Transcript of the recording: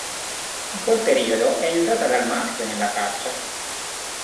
In quel periodo è aiutata dal maschio nella caccia.